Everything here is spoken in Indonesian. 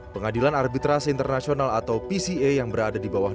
pengadilan arbitrasi internasional atau pca yang berada di bawah